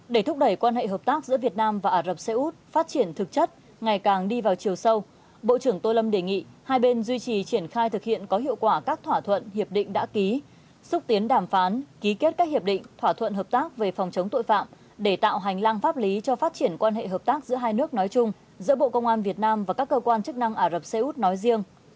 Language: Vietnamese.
để thúc đẩy quan hệ hợp tác giữa việt nam và ả rập xê út phát triển thực chất ngày càng đi vào chiều sâu bộ trưởng tô lâm đề nghị hai bên duy trì triển khai thực hiện có hiệu quả các thỏa thuận hiệp định đã ký xúc tiến đàm phán ký kết các hiệp định thỏa thuận hợp tác về phòng chống tội phạm để tạo hành lang pháp lý cho phát triển quan hệ hợp tác giữa hai nước nói chung giữa bộ công an việt nam và các cơ quan chức năng ả rập xê út nói riêng